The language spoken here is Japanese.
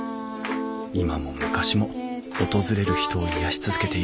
今も昔も訪れる人を癒やし続けている。